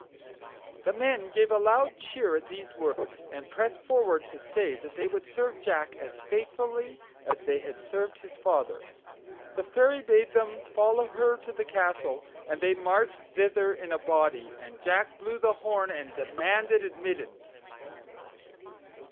The men gave a loud cheer at these words, and pressed forward to say that they would serve Jack as faithfully as they had served his father. The Fairy bade them follow her to the castle, and they marched thither in a body, and Jack blew the horn and demanded admittance.